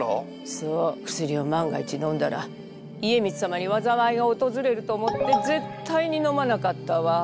そう薬を万が一のんだら家光様に災いが訪れると思ってぜったいにのまなかったわ。